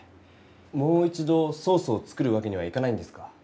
もう一度ソースを作るわけにはいかないんですか？